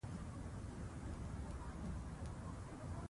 اداري بنسټونه باید د اشخاصو پر ځای اصولو ته وفادار وي